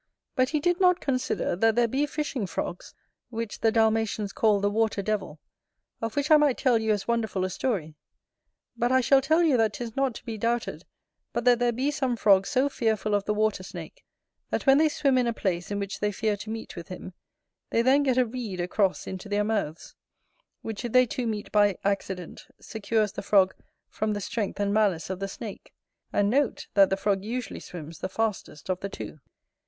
But he did not consider, that there be Fishing frogs, which the Dalmatians call the Water devil, of which I might tell you as wonderful a story: but I shall tell you that 'tis not to be doubted but that there be some frogs so fearful of the water snake, that when they swim in a place in which they fear to meet with him they then get a reed across into their mouths; which if they two meet by accident, secures the frog from the strength and malice of the snake; and note, that the frog usually swims the fastest of the two.